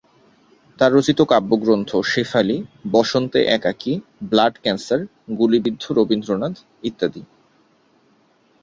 তার রচিত কাব্যগ্রন্থ "শেফালী", "বসন্তে একাকী", "ব্লাড ক্যানসার", "গুলিবিদ্ধ রবীন্দ্রনাথ" ইত্যাদি।